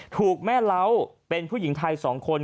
ถูกแม่เล้าเป็นผู้หญิงไทย๒คน